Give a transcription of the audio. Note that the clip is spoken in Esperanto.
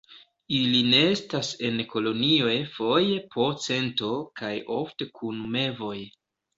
Ili nestas en kolonioj foje po cento, kaj ofte kun mevoj.